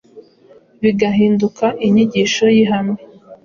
bigahinduka inyigisho y’ihame